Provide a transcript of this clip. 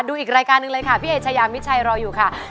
อีกรายการหนึ่งเลยค่ะพี่เอชายามิดชัยรออยู่ค่ะ